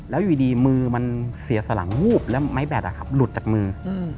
แล้วอยู่ดีมือมันเสียสลังวูบแล้วไม้แบตหลุดจากมือ